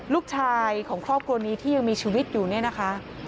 ลูกชายของครอบครัวนี้ที่ยังมีชีวิตอยู่เนี่ยนะคะ